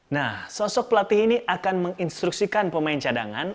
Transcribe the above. nah sosok pelatih ini akan menginstruksikan pemain cadangan